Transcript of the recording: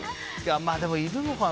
でもいるのかな。